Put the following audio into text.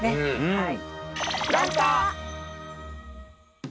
はい。